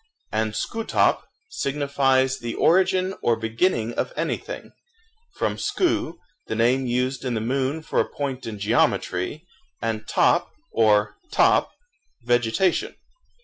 And skooh top signifies the origin or beginning of anything, from skoo, the name used in the moon for a point in geometry, and top or htop, vegetation.